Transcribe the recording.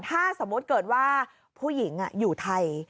ถ้าสมมุติเกิดว่าผู้หญิงอยู่ไทย